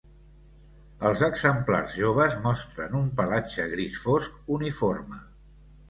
Els exemplars joves mostren un pelatge gris fosc uniforme.